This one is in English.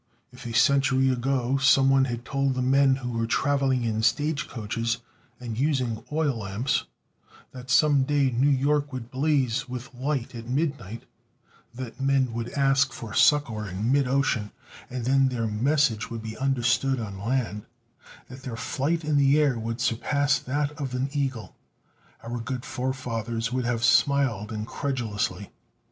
If, a century ago, some one had told the men who were traveling in stage coaches and using oil lamps that some day New York would blaze with light at midnight; that men would ask for succor in mid ocean and that their message would be understood on land, that their flight in the air would surpass that of the eagle our good forefathers would have smiled incredulously.